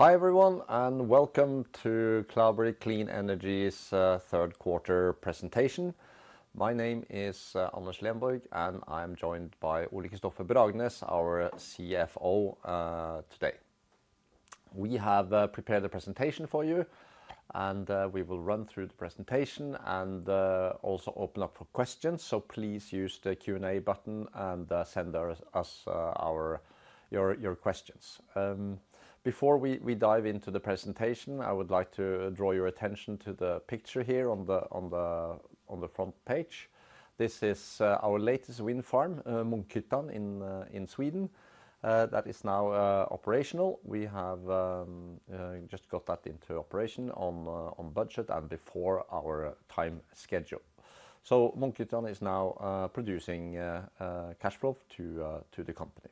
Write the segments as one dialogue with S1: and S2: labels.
S1: Hi everyone, and welcome to Cloudberry Clean Energy's third quarter presentation. My name is Anders Lenborg, and I'm joined by Ole-Kristofer Bragnes, our CFO, today. We have prepared a presentation for you, and we will run through the presentation and also open up for questions, so please use the Q&A button and send us your questions. Before we dive into the presentation, I would like to draw your attention to the picture here on the front page. This is our latest wind farm, Munkhyttan, in Sweden. That is now operational. We have just got that into operation on budget and before our time schedule, so Munkhyttan is now producing cash flow to the company.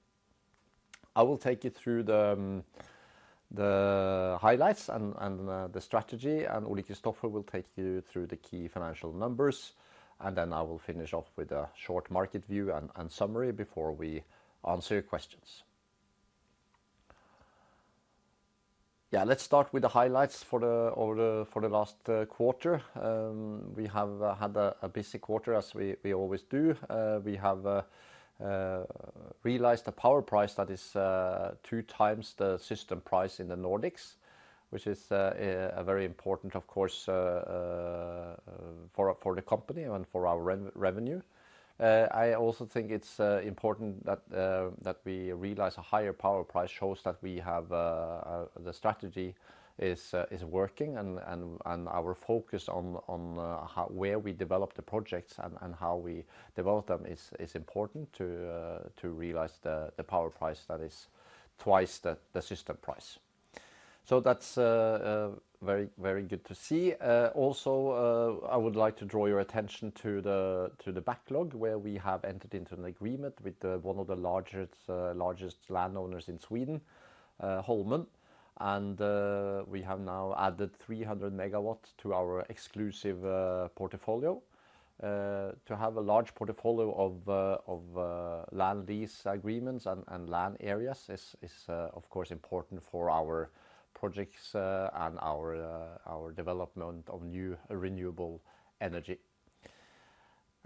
S1: I will take you through the highlights and the strategy, and Ole-Kristofer will take you through the key financial numbers. And then I will finish off with a short market view and summary before we answer your questions. Yeah, let's start with the highlights for the last quarter. We have had a busy quarter, as we always do. We have realized a power price that is two times the system price in the Nordics, which is very important, of course, for the company and for our revenue. I also think it's important that we realize a higher power price shows that the strategy is working and our focus on where we develop the projects and how we develop them is important to realize the power price that is twice the system price. So that's very good to see. Also, I would like to draw your attention to the backlog where we have entered into an agreement with one of the largest landowners in Sweden, Holmen. And we have now added 300 MW to our exclusive portfolio. To have a large portfolio of land lease agreements and land areas is, of course, important for our projects and our development of new renewable energy.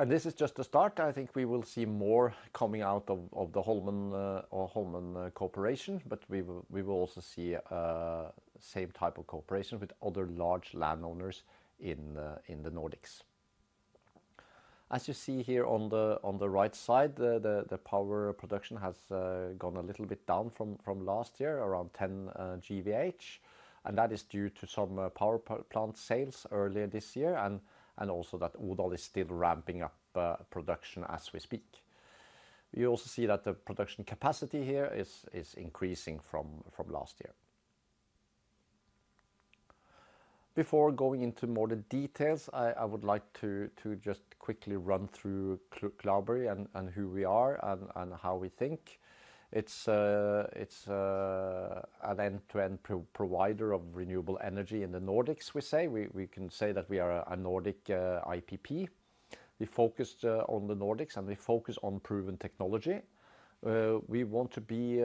S1: And this is just the start. I think we will see more coming out of the Holmen Corporation, but we will also see the same type of cooperation with other large landowners in the Nordics. As you see here on the right side, the power production has gone a little bit down from last year, around 10 GWh. And that is due to some power plant sales earlier this year. And also that Odal is still ramping up production as we speak. You also see that the production capacity here is increasing from last year. Before going into more details, I would like to just quickly run through Cloudberry and who we are and how we think. It's an end-to-end provider of renewable energy in the Nordics, we say. We can say that we are a Nordic IPP. We focused on the Nordics, and we focus on proven technology. We want to be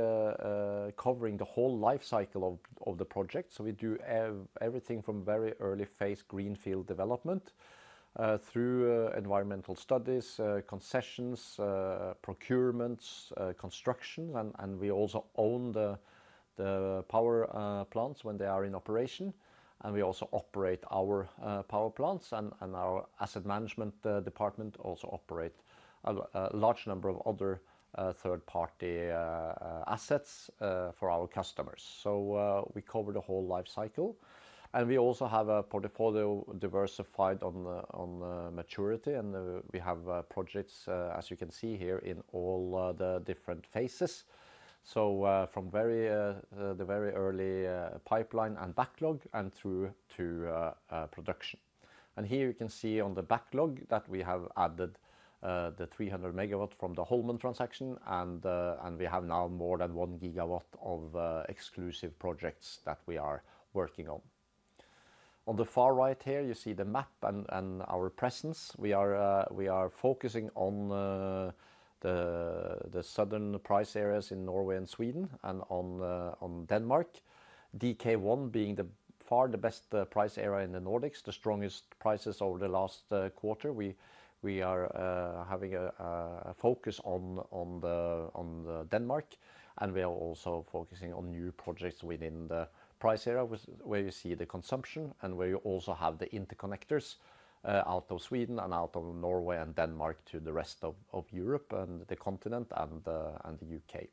S1: covering the whole life cycle of the project. So we do everything from very early phase greenfield development through environmental studies, concessions, procurements, construction. And we also own the power plants when they are in operation. And we also operate our power plants. And our asset management department also operates a large number of other third-party assets for our customers. So we cover the whole life cycle. And we also have a portfolio diversified on maturity. And we have projects, as you can see here, in all the different phases. So from the very early pipeline and backlog and through to production. And here you can see on the backlog that we have added the 300 MW from the Holmen transaction. And we have now more than one gigawatt of exclusive projects that we are working on. On the far right here, you see the map and our presence. We are focusing on the southern price areas in Norway and Sweden and on Denmark. DK1 being far the best price area in the Nordics, the strongest prices over the last quarter. We are having a focus on Denmark. And we are also focusing on new projects within the price area where you see the consumption and where you also have the interconnectors out of Sweden and out of Norway and Denmark to the rest of Europe and the continent and the U.K.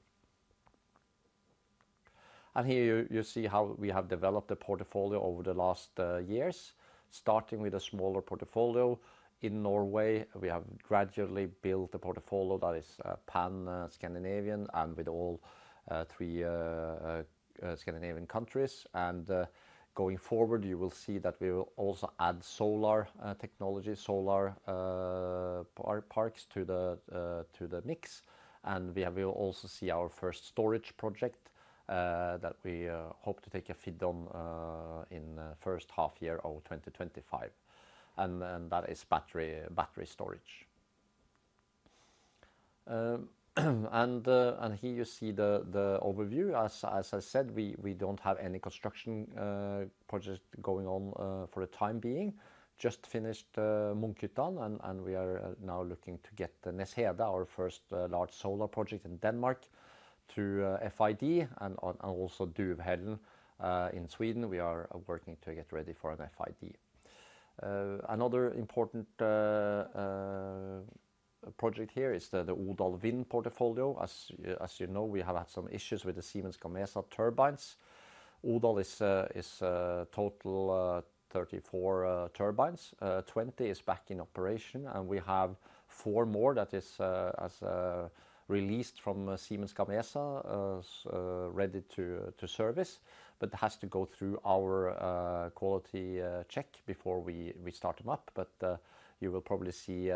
S1: And here you see how we have developed the portfolio over the last years. Starting with a smaller portfolio in Norway, we have gradually built a portfolio that is pan-Scandinavian and with all three Scandinavian countries. And going forward, you will see that we will also add solar technology, solar parks to the mix. And we will also see our first storage project that we hope to take a FID on in the first half year of 2025. And that is battery storage. And here you see the overview. As I said, we don't have any construction project going on for the time being. Just finished Munkhyttan. And we are now looking to get the Nees Hede, our first large solar project in Denmark, to FID and also Duvhällen in Sweden. We are working to get ready for an FID. Another important project here is the Odal wind portfolio. As you know, we have had some issues with the Siemens Gamesa turbines. Odal is total 34 turbines. 20 is back in operation, and we have four more that are released from Siemens Gamesa ready to service, but it has to go through our quality check before we start them up, but you will probably see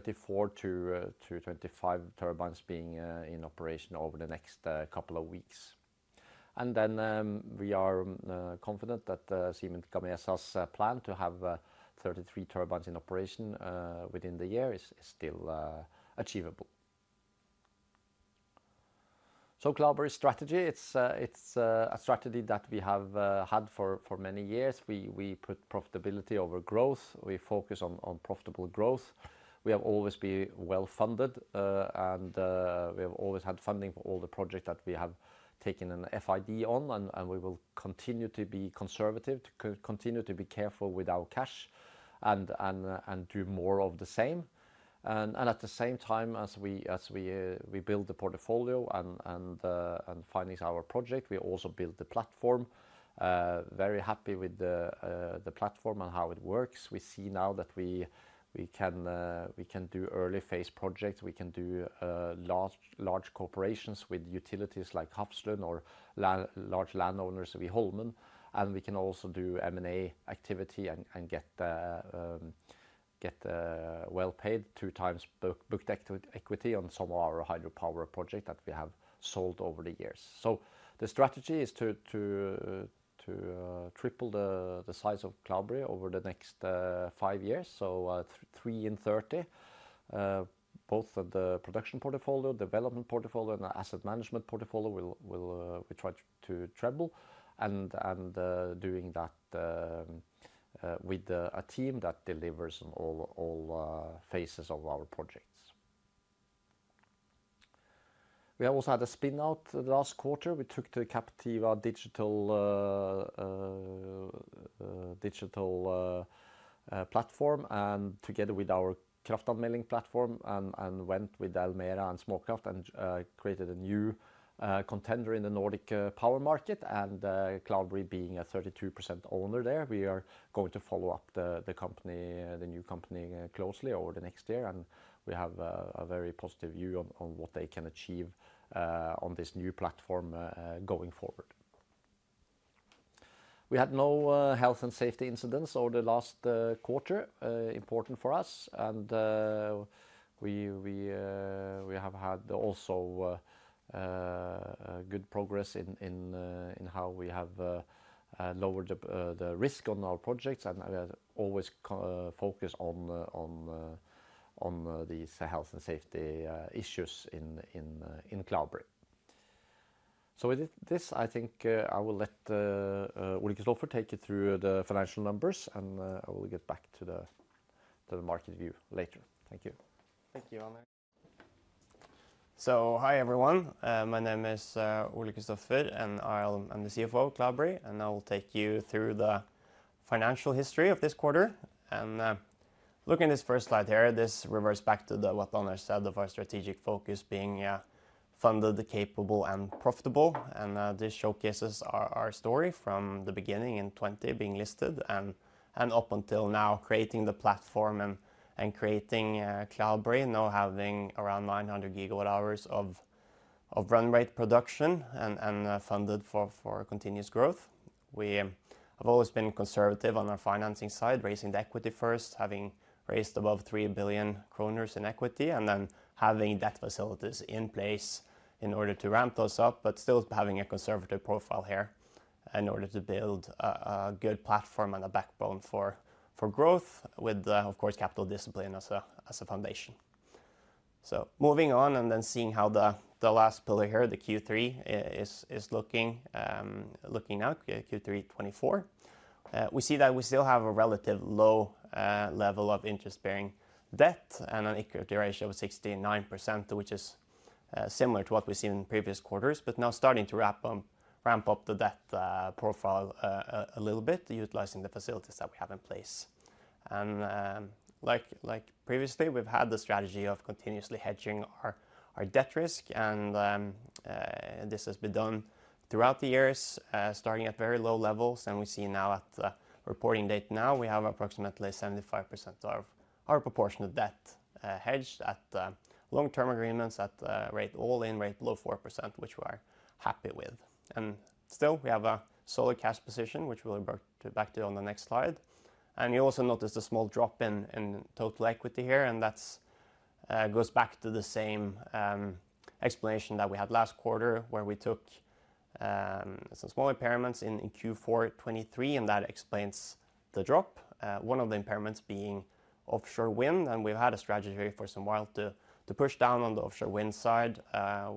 S1: 24-25 turbines being in operation over the next couple of weeks, and then we are confident that Siemens Gamesa's plan to have 33 turbines in operation within the year is still achievable, so Cloudberry's strategy, it's a strategy that we have had for many years. We put profitability over growth. We focus on profitable growth. We have always been well funded, and we have always had funding for all the projects that we have taken an FID on. And we will continue to be conservative, continue to be careful with our cash, and do more of the same. And at the same time, as we build the portfolio and finance our project, we also build the platform. Very happy with the platform and how it works. We see now that we can do early phase projects. We can do large cooperations with utilities like Hafslund or large landowners of Holmen. And we can also do M&A activity and get well paid two times booked equity on some of our hydropower projects that we have sold over the years. So the strategy is to triple the size of Cloudberry over the next five years. So three in 30. Both the production portfolio, development portfolio, and the asset management portfolio we try to treble. And doing that with a team that delivers all phases of our projects. We have also had a spin-out last quarter. We took the Captiva Digital platform and, together with our Kraftanmelding platform, went with Almera and Småkraft and created a new contender in the Nordic power market, and Cloudberry being a 32% owner there, we are going to follow up the new company closely over the next year, and we have a very positive view on what they can achieve on this new platform going forward. We had no health and safety incidents over the last quarter. Important for us, and we have had also good progress in how we have lowered the risk on our projects, and we are always focused on these health and safety issues in Cloudberry, so with this, I think I will let Ole-Kristofer take you through the financial numbers, and I will get back to the market view later. Thank you.
S2: Thank you, Anders. So hi everyone. My name is Ole-Kristofer, and I'm the CFO of Cloudberry. And I will take you through the financial history of this quarter. And looking at this first slide here, this reverts back to what Anders said of our strategic focus being funded, capable, and profitable. And this showcases our story from the beginning in 2020 being listed and up until now creating the platform and creating Cloudberry, now having around 900 GWh of run rate production and funded for continuous growth. We have always been conservative on our financing side, raising the equity first, having raised above 3 billion kroner in equity, and then having debt facilities in place in order to ramp those up, but still having a conservative profile here in order to build a good platform and a backbone for growth with, of course, capital discipline as a foundation. Moving on and then seeing how the last pillar here, the Q3, is looking now, Q3 2024. We see that we still have a relatively low level of interest-bearing debt and an equity ratio of 69%, which is similar to what we've seen in previous quarters, but now starting to ramp up the debt profile a little bit utilizing the facilities that we have in place. Like previously, we've had the strategy of continuously hedging our debt risk. This has been done throughout the years, starting at very low levels. We see now at the reporting date now, we have approximately 75% of our proportion of debt hedged at long-term agreements at rate all in rate below 4%, which we are happy with. Still, we have a solid cash position, which we'll go back to on the next slide. You also notice the small drop in total equity here. That goes back to the same explanation that we had last quarter, where we took some small impairments in Q4 2023. That explains the drop. One of the impairments being offshore wind. We've had a strategy for some while to push down on the offshore wind side.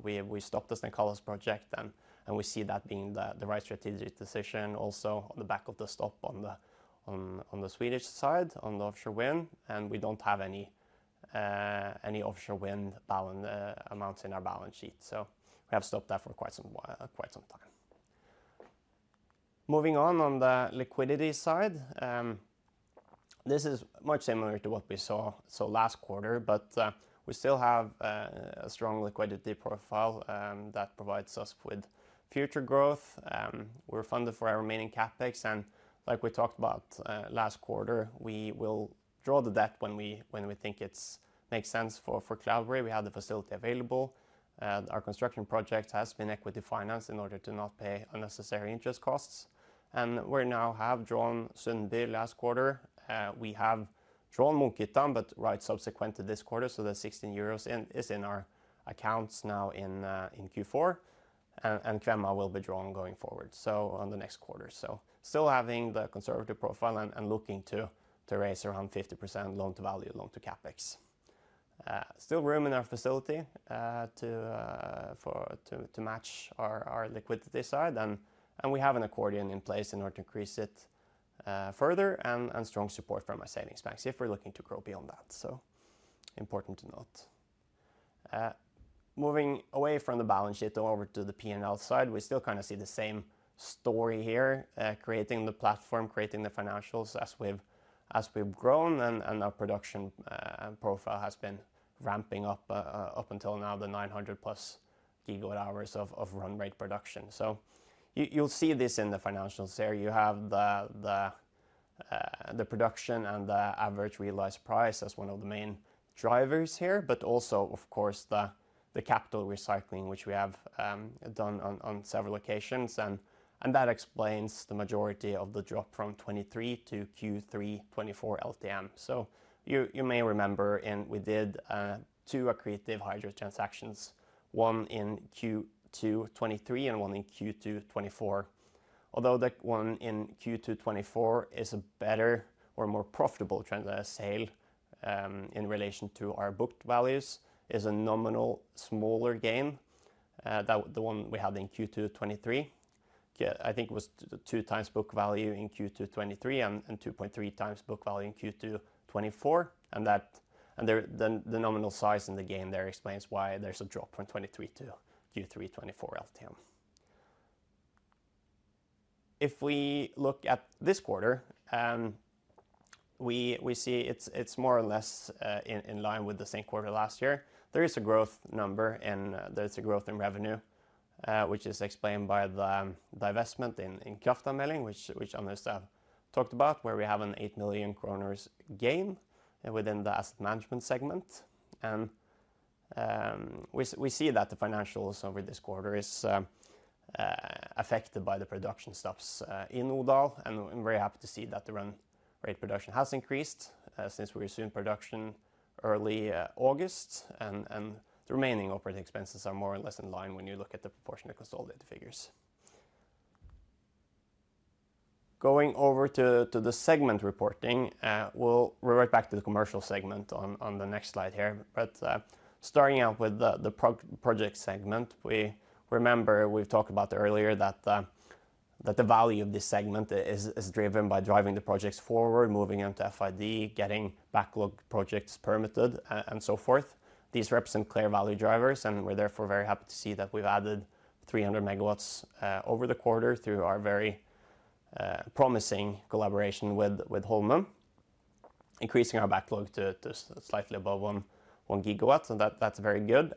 S2: We stopped the Stenkalles Grund project. We see that being the right strategic decision also on the back of the stop on the Swedish side on the offshore wind. We don't have any offshore wind amounts in our balance sheet. So we have stopped that for quite some time. Moving on on the liquidity side, this is much similar to what we saw last quarter. But we still have a strong liquidity profile that provides us with future growth. We're funded for our remaining CapEx. And, like we talked about last quarter, we will draw the debt when we think it makes sense for Cloudberry. We have the facility available. Our construction project has been equity financed in order to not pay unnecessary interest costs. And we now have drawn Sundby last quarter. We have drawn Munkhyttan, but right subsequent to this quarter. So the 16 euros is in our accounts now in Q4. And Kvemma will be drawn going forward on the next quarter. So still having the conservative profile and looking to raise around 50% loan to value, loan to CapEx. Still room in our facility to match our liquidity side. And we have an accordion in place in order to increase it further and strong support from our savings banks if we're looking to grow beyond that. So important to note. Moving away from the balance sheet over to the P&L side, we still kind of see the same story here, creating the platform, creating the financials as we've grown. And our production profile has been ramping up until now the 900 plus GWh of run rate production. So you'll see this in the financials here. You have the production and the average realized price as one of the main drivers here, but also, of course, the capital recycling, which we have done on several occasions. And that explains the majority of the drop from 2023 to Q3 2024 LTM. So you may remember we did two accretive hydro transactions, one in Q2 2023 and one in Q2 2024. Although the one in Q2 2024 is a better or more profitable sale in relation to our booked values, it is a nominal smaller gain than the one we had in Q2 2023. I think it was two times book value in Q2 2023 and 2.3 times book value in Q2 2024, and the nominal size in the gain there explains why there's a drop from 2023 to Q3 2024 LTM. If we look at this quarter, we see it's more or less in line with the same quarter last year. There is a growth number and there's a growth in revenue, which is explained by the investment in Kraftanmelding, which Anders talked about, where we have a 8 million kroner gain within the asset management segment, and we see that the financials over this quarter is affected by the production stops in Odal. I'm very happy to see that the run rate production has increased since we assumed production early August. The remaining operating expenses are more or less in line when you look at the proportion of consolidated figures. Going over to the segment reporting, we'll revert back to the commercial segment on the next slide here. But starting out with the project segment, we remember we've talked about earlier that the value of this segment is driven by driving the projects forward, moving them to FID, getting backlog projects permitted, and so forth. These represent clear value drivers. We're therefore very happy to see that we've added 300 MW over the quarter through our very promising collaboration with Holmen, increasing our backlog to slightly above 1 GW. That's very good.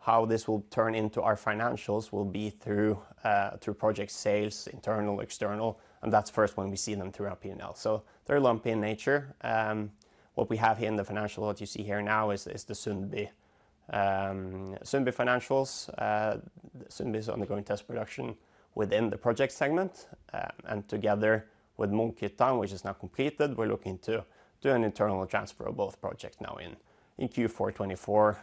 S2: How this will turn into our financials will be through project sales, internal, external. That's first when we see them through our P&L. Very lumpy in nature. What we have here in the financial, what you see here now, is the Sundby financials. Sundby is undergoing test production within the project segment. Together with Munkhyttan, which is now completed, we're looking to do an internal transfer of both projects now in Q4 2024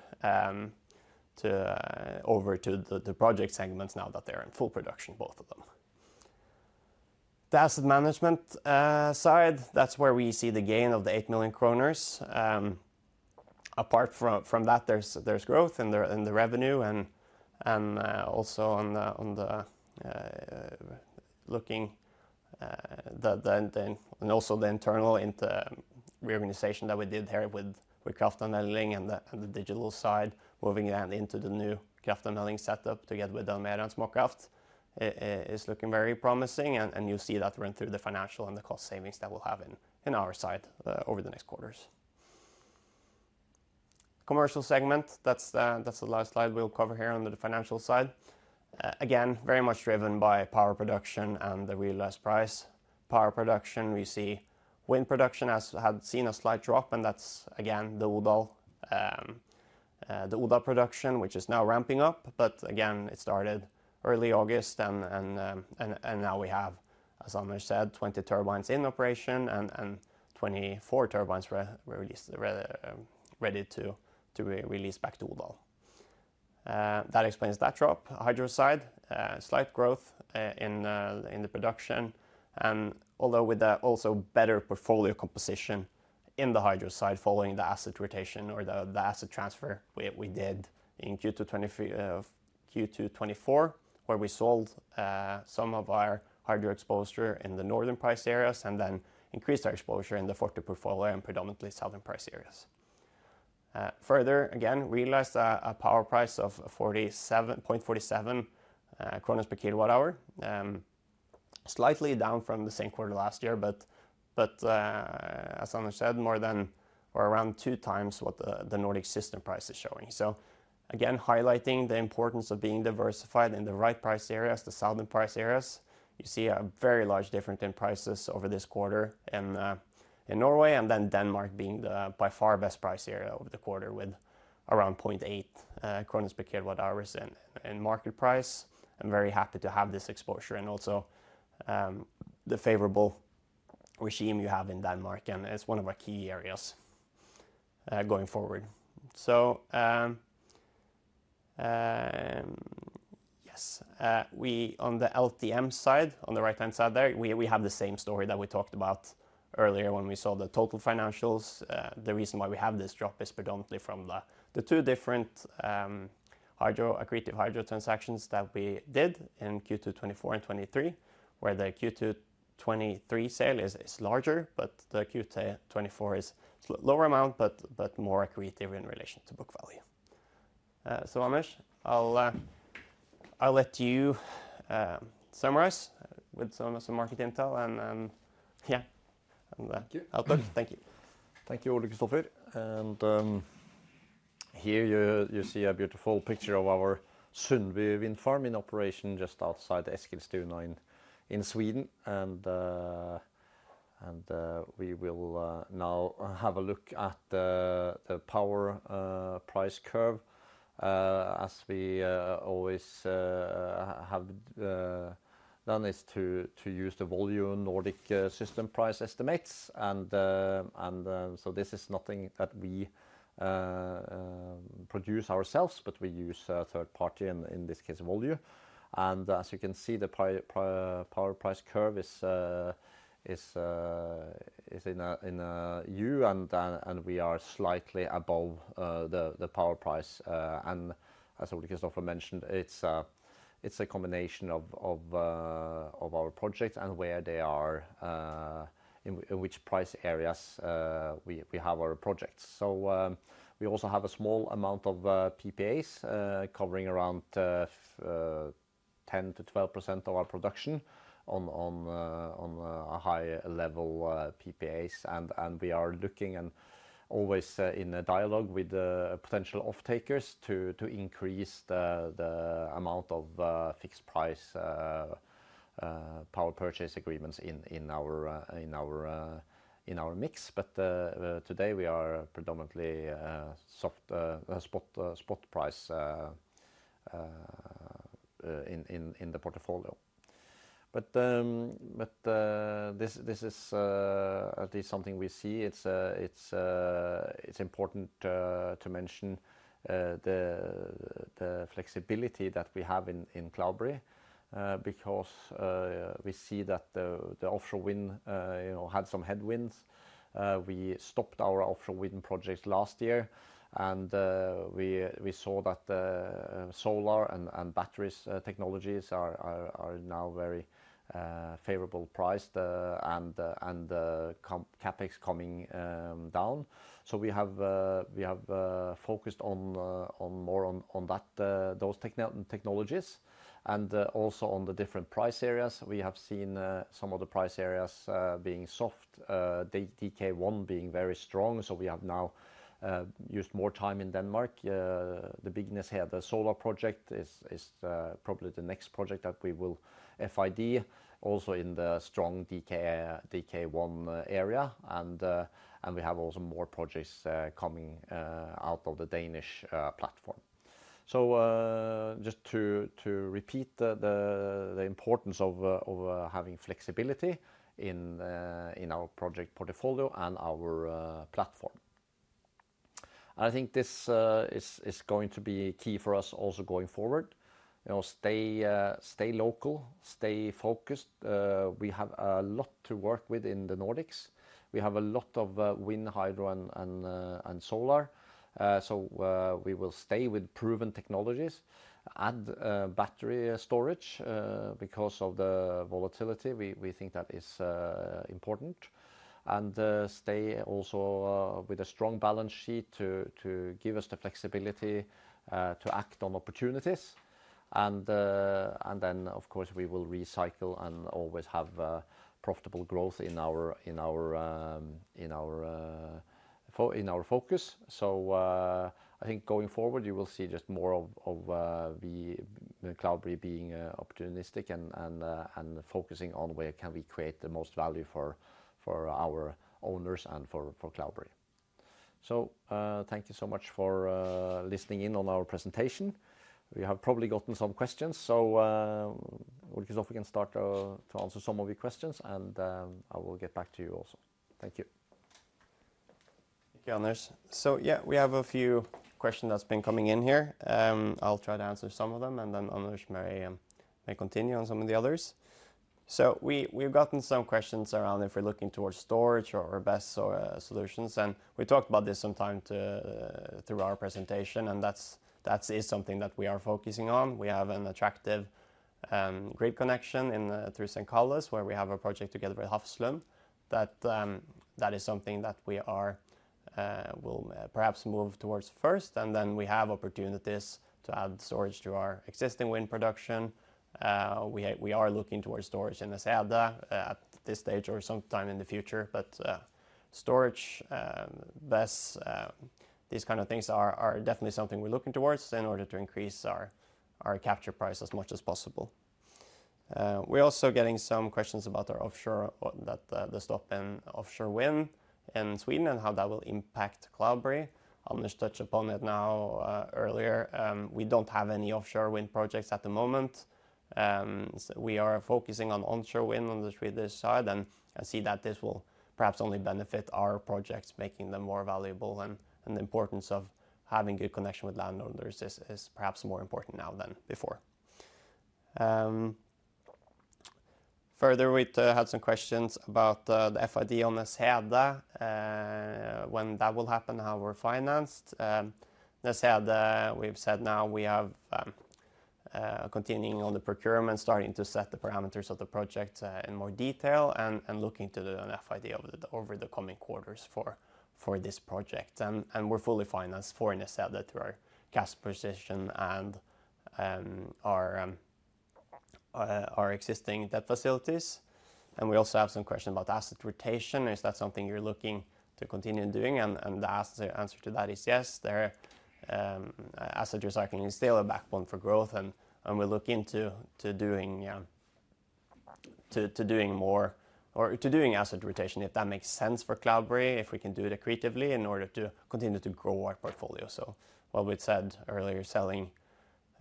S2: over to the project segments now that they're in full production, both of them. The asset management side, that's where we see the gain of the 8 million kroner. Apart from that, there's growth in the revenue. Also looking at the internal reorganization that we did here with Kraftanmelding and the digital side, moving that into the new Kraftanmelding setup together with Almera and Småkraft is looking very promising. And you'll see that run through the financial and the cost savings that we'll have in our side over the next quarters. Commercial segment, that's the last slide we'll cover here on the financial side. Again, very much driven by power production and the realized price. Power production, we see wind production has had seen a slight drop. And that's, again, the Odal production, which is now ramping up. But again, it started early August. And now we have, as Anders said, 20 turbines in operation and 24 turbines ready to release back to Odal. That explains that drop. Hydro side, slight growth in the production. Although with also better portfolio composition in the hydro side following the asset rotation or the asset transfer we did in Q2 2024, where we sold some of our hydro exposure in the northern price areas and then increased our exposure in the Forte portfolio and predominantly southern price areas. Further, again, realized a power price of 0.47 per kilowatt hour, slightly down from the same quarter last year, but as Anders said, more than or around two times what the Nordic system price is showing. So again, highlighting the importance of being diversified in the right price areas, the southern price areas. You see a very large difference in prices over this quarter in Norway and then Denmark being the by far best price area over the quarter with around 0.8 per kilowatt hours in market price. And very happy to have this exposure and also the favorable regime you have in Denmark. And it is one of our key areas going forward. So yes, on the LTM side, on the right-hand side there, we have the same story that we talked about earlier when we saw the total financials. The reason why we have this drop is predominantly from the two different accretive hydro transactions that we did in Q2 2024 and 2023, where the Q2 2023 sale is larger, but the Q2 2024 is lower amount, but more accretive in relation to book value. So Anders, I'll let you summarize with some market intel. And yeah, outlook. Thank you.
S1: Thank you, Ole-Kristofer. And here you see a beautiful picture of our Sundby wind farm in operation just outside Eskilstuna in Sweden. And we will now have a look at the power price curve. As we always have done, it's to use the Volue Nordic system price estimates. And so this is nothing that we produce ourselves, but we use a third party in this case Volue. And as you can see, the power price curve is in a U. And we are slightly above the power price. And as Ole-Kristofer mentioned, it's a combination of our projects and where they are, in which price areas we have our projects. So we also have a small amount of PPAs covering around 10%-12% of our production on a high-level PPAs. And we are looking and always in dialogue with potential off-takers to increase the amount of fixed price power purchase agreements in our mix. But today we are predominantly spot price in the portfolio. But this is at least something we see. It's important to mention the flexibility that we have in Cloudberry because we see that the offshore wind had some headwinds. We stopped our offshore wind projects last year. And we saw that solar and batteries technologies are now very favorably priced and CapEx coming down. So we have focused more on those technologies and also on the different price areas. We have seen some of the price areas being soft, DK-1 being very strong. So we have now used more time in Denmark. The Nees Hede here at the solar project is probably the next project that we will FID also in the strong DK1 area. We have also more projects coming out of the Danish platform. So just to repeat the importance of having flexibility in our project portfolio and our platform. I think this is going to be key for us also going forward. Stay local, stay focused. We have a lot to work with in the Nordics. We have a lot of wind, hydro, and solar. So we will stay with proven technologies, add battery storage because of the volatility. We think that is important. And stay also with a strong balance sheet to give us the flexibility to act on opportunities. And then, of course, we will recycle and always have profitable growth in our focus. So I think going forward, you will see just more of Cloudberry being opportunistic and focusing on where can we create the most value for our owners and for Cloudberry. So thank you so much for listening in on our presentation. We have probably gotten some questions. So Ole-Kristofer, you can start to answer some of your questions. And I will get back to you also. Thank you.
S2: Thank you, Anders. So yeah, we have a few questions that's been coming in here. I'll try to answer some of them. And then Anders may continue on some of the others. So we've gotten some questions around if we're looking towards storage or BESS. And we talked about this sometime through our presentation. And that is something that we are focusing on. We have an attractive grid connection through Stenkalles, where we have a project together with Hafslund. That is something that we will perhaps move towards first. And then we have opportunities to add storage to our existing wind production. We are looking towards storage in Nees Hede at this stage or sometime in the future. But storage, BESS, these kind of things are definitely something we're looking towards in order to increase our capture price as much as possible. We're also getting some questions about the stop in offshore wind in Sweden and how that will impact Cloudberry. Anders touched upon it now earlier. We don't have any offshore wind projects at the moment. We are focusing on onshore wind on the Swedish side. I see that this will perhaps only benefit our projects, making them more valuable. The importance of having good connection with landowners is perhaps more important now than before. Further, we had some questions about the FID on Säde: when that will happen, how we're financed. Säde, we've said now we are continuing on the procurement, starting to set the parameters of the project in more detail and looking to do an FID over the coming quarters for this project. We're fully financed for Säde through our CAS position and our existing debt facilities. And we also have some questions about asset rotation. Is that something you're looking to continue doing? And the answer to that is yes. Asset recycling is still a backbone for growth. And we'll look into doing more or to doing asset rotation if that makes sense for Cloudberry, if we can do it accretively in order to continue to grow our portfolio. So what we said earlier, selling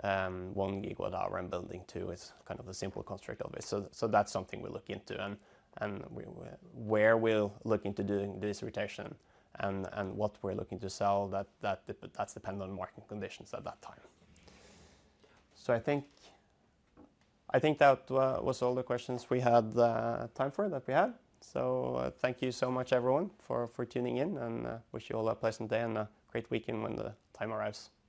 S2: 1 GWh and building two is kind of the simple construct of it. So that's something we're looking into. And where we'll look into doing this rotation and what we're looking to sell, that's dependent on market conditions at that time. So I think that was all the questions we had time for that we had. So thank you so much, everyone, for tuning in. And wish you all a pleasant day and a great weekend when the time arrives.